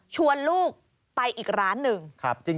ชวนลูกไปอีกร้านหนึ่ง